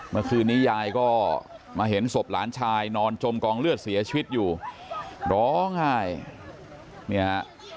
เมื่อคืนนี้ยายก็มาเห็นศพหลานชายนอนจมกองเลือดเสียชีวิตอยู่ร้องไห้เนี่ยฮะ